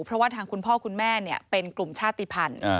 เพราะว่าทางคุณพ่อคุณแม่เป็นกลุ่มชาติภัณฑ์